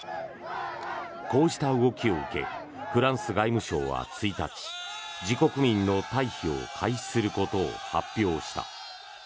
こうした動きを受けフランス外務省は１日自国民の退避を開始することを発表した。